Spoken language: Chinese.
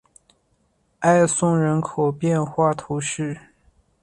埃松人口变化图示